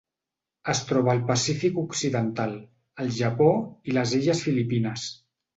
Es troba al Pacífic occidental: el Japó i les illes Filipines.